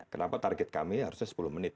kenapa target kami harusnya sepuluh menit